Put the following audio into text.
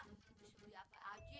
bisa beli apa aja